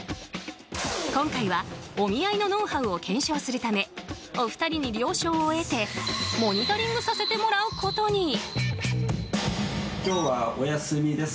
今回は、お見合いのノウハウを検証するためお二人に了承を得てモニタリングさせてもらうことに。